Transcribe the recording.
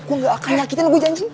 gue gak akan nyakitin lebih janji